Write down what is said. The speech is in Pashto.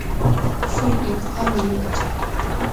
Full Employment